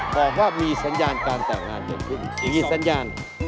บอกว่ามีสัญญาการแตกงานสัญญาณ